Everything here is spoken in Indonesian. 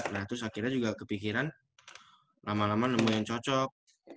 nah terus akhirnya juga kepikiran lama lama nemu yang cocok